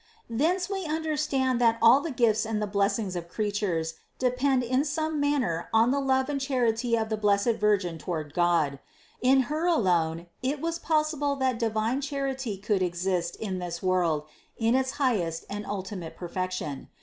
524. Thence we understand that all the gifts and the blessings of creatures depend in some manner on the love and charity of the blessed Virgin toward God. In Her alone it was possible that divine Charity could exist in this world in its highest and ultimate perfection.